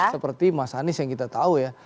seperti mas anies yang kita tahu ya